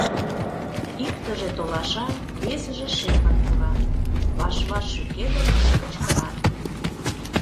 Иктыже толаша, весыже шеҥын пура, ваш-ваш шӱкедылыт, кычкырат.